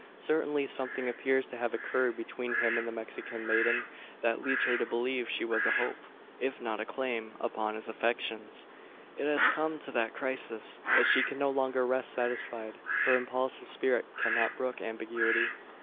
Certainly something appears to have occurred between him and the Mexican maiden, that leads her to believe she has a hope if not a claim upon his affections. It has come to that crisis, that she can no longer rest satisfied. Her impulsive spirit cannot brook ambiguity.